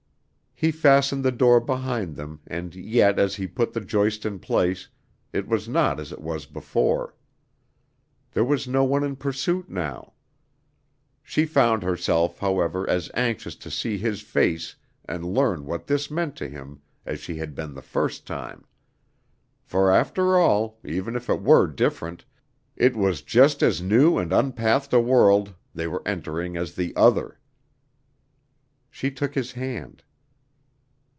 He fastened the door behind them and yet as he put the joist in place, it was not as it was before. There was no one in pursuit now. She found herself, however, as anxious to see his face and learn what this meant to him as she had been the first time. For after all, even if it were different, it was just as new and unpathed a world they were entering as the other. She took his hand.